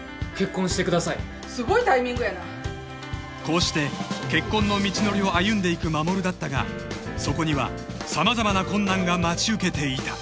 ［こうして結婚の道のりを歩んでいく衛だったがそこには様々な困難が待ち受けていた］